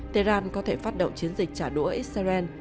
tehran có thể phát động chiến dịch trả đũa israel